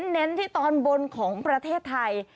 เน้นที่ตอนบนของประเทศไทย